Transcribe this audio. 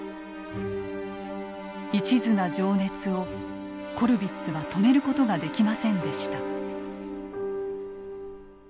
いちずな情熱をコルヴィッツは止める事ができませんでした。